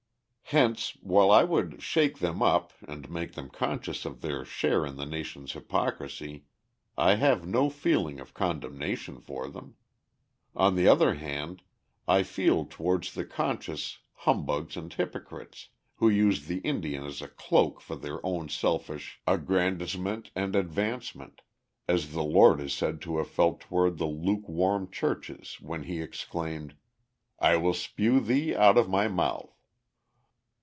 Hence, while I would "shake them up" and make them conscious of their share in the nation's hypocrisy, I have no feeling of condemnation for them. On the other hand, I feel towards the conscious humbugs and hypocrites, who use the Indian as a cloak for their own selfish aggrandizement and advancement, as the Lord is said to have felt toward the lukewarm churches when He exclaimed: "I will spew thee out of my mouth."